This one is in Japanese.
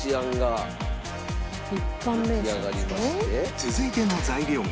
続いての材料が